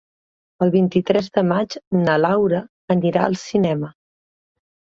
El vint-i-tres de maig na Laura anirà al cinema.